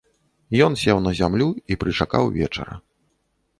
Ён сеў на зямлю і прычакаў вечара.